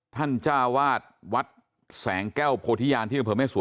ท่านจ้าวาสวัดแสงแก้วโพธิญาณที่เราเพิ่มให้สวย